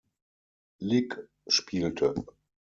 Lig, spielte.